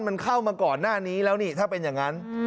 มันเข้ามาก่อนหน้านี้แล้วนี่ถ้าเป็นอย่างนั้น